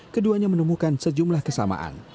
keduanya menemukan sejumlah kesamaan